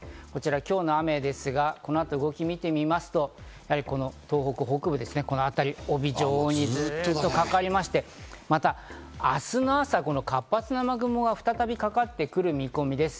今日の雨ですが、この後の動きを見てみますと、やはり東北北部ですね、このあたり帯状にずっとかかりまして、また明日の朝、活発な雨雲が再びかかってくる見込みです。